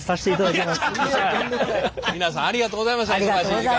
皆さんありがとうございましたお忙しい時間。